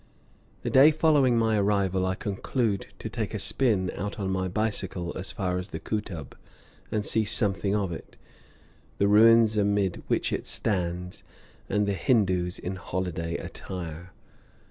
The day following my arrival I conclude to take a spin out on my bicycle as far as the Kootub, and see something of it, the ruins amid which it stands, and the Hindoos in holiday attire.